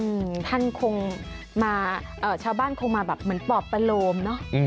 อือท่านคงมาชาวบ้านคงมาแบบเหมือนปอบประโรมเนาะ